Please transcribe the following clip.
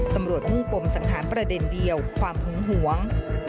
มุ่งปมสังหารประเด็นเดียวความหึงหวง